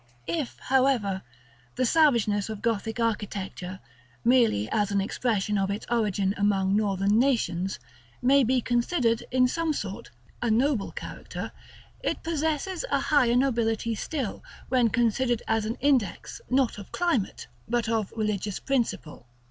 § IX. If, however, the savageness of Gothic architecture, merely as an expression of its origin among Northern nations, may be considered, in some sort, a noble character, it possesses a higher nobility still, when considered as an index, not of climate, but of religious principle.